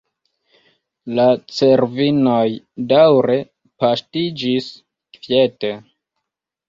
La cervinoj daŭre paŝtiĝis kviete.